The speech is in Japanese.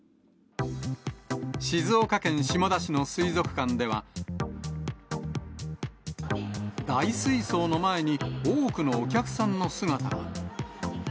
静岡県下田市の水族館では、大水槽の前に多くのお客さんの姿が。